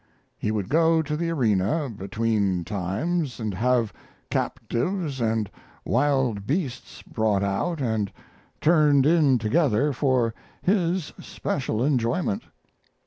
He would go to the arena between times and have captives and wild beasts brought out and turned in together for his special enjoyment.